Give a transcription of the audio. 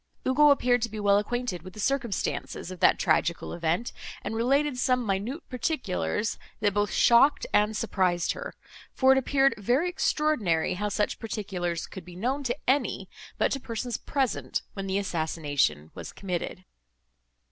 Ugo appeared to be well acquainted with the circumstances of that tragical event, and related some minute particulars, that both shocked and surprised her; for it appeared very extraordinary how such particulars could be known to any, but to persons, present when the assassination was committed.